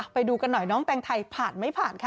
ไปดูกันหน่อยน้องแตงไทยผ่านไม่ผ่านค่ะ